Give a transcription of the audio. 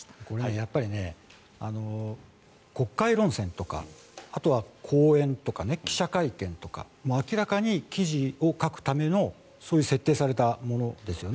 やっぱりね、国会論戦とかあとは講演とか記者会見とか明らかに記事を書くためのそういう設定されたものですよね。